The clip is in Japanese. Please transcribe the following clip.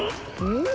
うん？